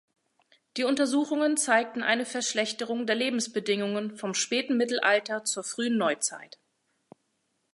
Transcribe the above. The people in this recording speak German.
Die Untersuchungen zeigten eine Verschlechterung der Lebensbedingungen vom späten Mittelalter zur frühen Neuzeit.